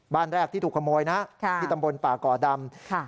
บ้านแรกที่ถูกขโมยนะที่ตำบลป่าก่อดำ